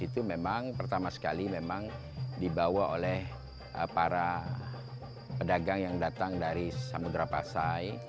itu memang pertama sekali memang dibawa oleh para pedagang yang datang dari samudera pasai